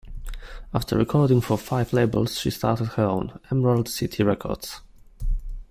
After recording for five labels, she started her own, Emerald City Records.